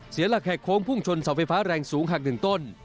เสียหลักแหกโค้งพุ่งชนเสาไฟฟ้าแรงสูงหักหนึ่งต้น